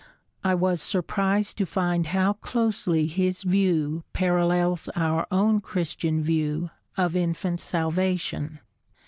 I was surprised to find how closely his view parallels our own Christian view of infant salvation.